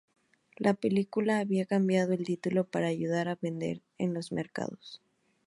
La película había cambiado el título para ayudar a vender en los mercados.